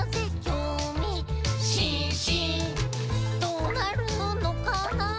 「どーなるのかな？